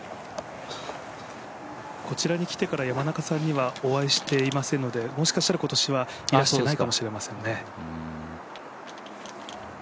こちらに来てからヤマナカさんにはお会いしていませんのでもしかしたら今年はいらしていないのかもしれないですね。